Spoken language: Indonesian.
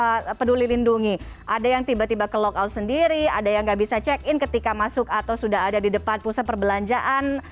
jadi apa yang mengeluhkan peduli lindungi ada yang tiba tiba ke local sendiri ada yang nggak bisa check in ketika masuk atau sudah ada di depan pusat perbelanjaan